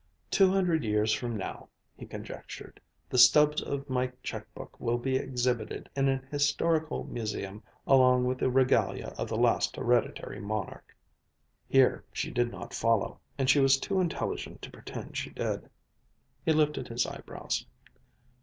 "Two hundred years from now," he conjectured, "the stubs of my checkbook will be exhibited in an historical museum along with the regalia of the last hereditary monarch." Here she did not follow, and she was too intelligent to pretend she did. He lifted his eyebrows.